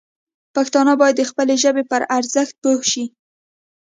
پښتانه باید د خپلې ژبې پر ارزښت پوه شي.